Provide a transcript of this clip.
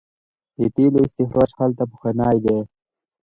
د تیلو استخراج هلته پخوانی دی.